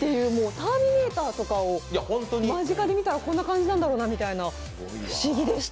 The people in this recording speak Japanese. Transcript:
ターミネーターとかを身近で見たらこんな感じなんだろうなみたいな、不思議でした。